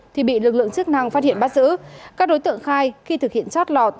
khi bị lực lượng chức năng phát hiện ba dữ các đối tượng khai khi thực hiện chót lọt